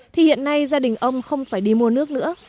thì hiện nay gia đình ông không phải đi mua nước nữa